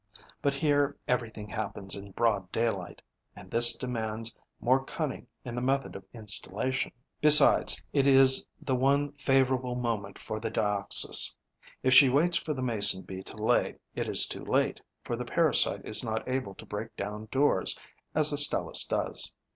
But here everything happens in broad daylight; and this demands more cunning in the method of installation. Besides, it is the one favourable moment for the Dioxys. If she waits for the Mason bee to lay, it is too late, for the parasite is not able to break down doors, as the Stelis does.